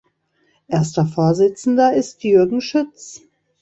Erster Vorsitzender ist Jürgen Schütz.